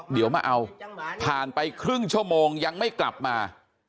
เดี๋ยวมาเอาผ่านไปครึ่งชั่วโมงยังไม่กลับมา